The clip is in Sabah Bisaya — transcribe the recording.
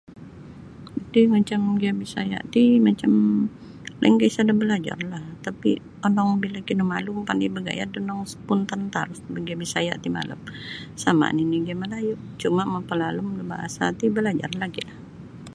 Iti macam giya' Bisaya' ti macam lainkah isada' balajarlah tapi ondong bila kinamalu mapandai bagayad ondong spontan tarus boh giya' Bisaya' ti malap sama' nini' giya' Melayu cuma' mapalalum da bahasa ti balajar lagi'.